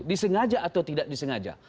disengaja atau tidak disengaja